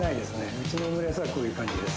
うちのオムライスはこういう感じです。